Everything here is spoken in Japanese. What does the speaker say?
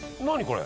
これ。